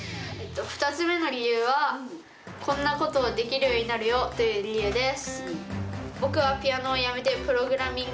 ２つ目の理由は「こんなことできるようになるよ」という理由です。